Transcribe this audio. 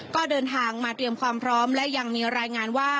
ก็เดินทางมาเตรียมความพร้อมและยังมีรายงานว่า